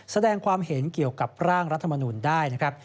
แสดงความเห็นเกี่ยวกับร่างรัฐมนุนได้นะครับ